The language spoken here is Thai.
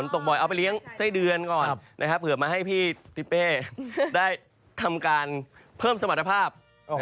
ตกบ่อยเอาไปเลี้ยงไส้เดือนก่อนนะครับเผื่อมาให้พี่ทิเป้ได้ทำการเพิ่มสมรรถภาพ